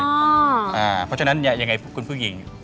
เพราะฉะนั้นยังไงคุณผู้หญิง